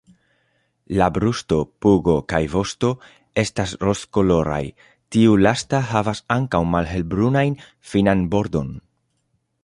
La brusto, pugo kaj vosto estas rozkoloraj, tiu lasta havas ankaŭ malhelbrunajn finan bordon.